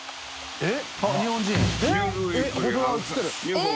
えっ？